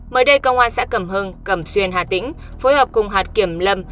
mới đây công an xã cầm hưng cầm xuyên hà tĩnh phối hợp cùng hạt kiểm lâm